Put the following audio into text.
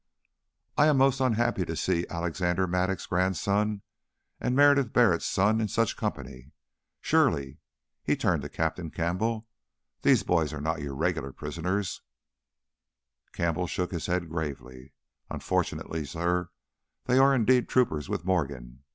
"I am most unhappy to see Alexander Mattock's grandson and Meredith Barrett's son in such company. Surely" he turned to Captain Campbell "these boys are not your regular prisoners " Campbell shook his head gravely. "Unfortunately, sir, they are indeed troopers with Morgan.